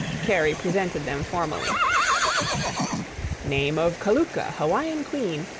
Kerry presented them formally. "Name of Kaluka, Hawaiian queen!